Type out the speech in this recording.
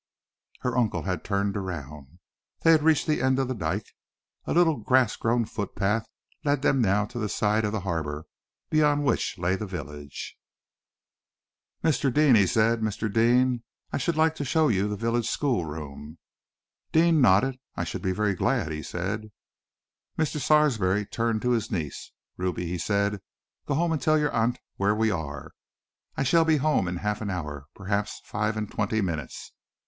Her uncle had turned round. They had reached the end of the dyke. A little grass grown footpath led them now to the side of the harbor, beyond which lay the village. "Mr. Deane," he said, "Mr. Deane, I should like to show you the village schoolroom." Deane nodded. "I should be very glad," he said. Mr. Sarsby turned to his niece. "Ruby," he said, "go home and tell your aunt where we are. I shall be home in half an hour, perhaps five and twenty minutes.